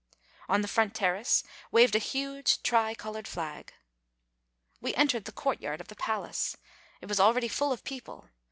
On the front terrace waved a huge tricolored flag. We entered the courtyard of the palace. It was already full of people.